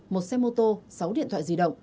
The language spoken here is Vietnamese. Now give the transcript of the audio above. một xe ô tô sáu điện thoại di động